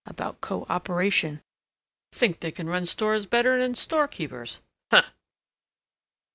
About co operation. Think they can run stores better 'n storekeepers! Huh!"